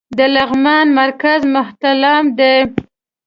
د لغمان مرکز مهترلام دى